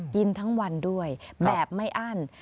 กินทั้งวันด้วยแบบไม่อั้น